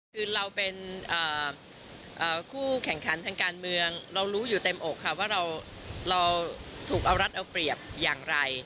คือเราเป็นคู่แข่งขันทางการเมืองเรารู้อยู่เต็มอกค่ะว่าเราถูกเอารัฐเอาเปรียบอย่างไร